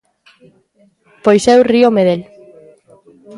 Pois eu ríome del.